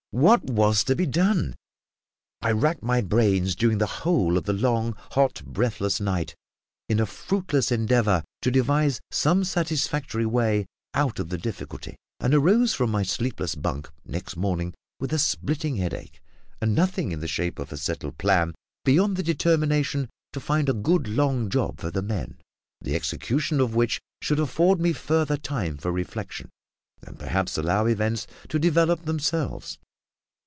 What was to be done? I racked my brains during the whole of the long, hot, breathless night in a fruitless endeavour to devise some satisfactory way out of the difficulty, and arose from my sleepless bunk next morning with a splitting headache, and nothing in the shape of a settled plan beyond the determination to find a good long job for the men, the execution of which should afford me further time for reflection, and perhaps allow events to develop themselves.